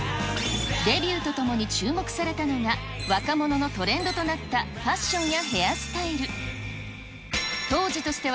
デビューとともに注目されたのが、若者のトレンドとなったファッションやヘアスタイル。